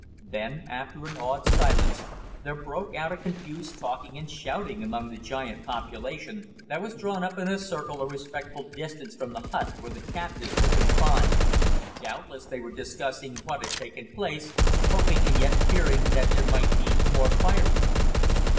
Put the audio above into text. Then, after an awed silence, there broke out a confused talking and shouting among the giant population, that was drawn up in a circle a respectful distance from the hut where the captives were confined. Doubtless they were discussing what had taken place, hoping and yet fearing, that there might be more fireworks.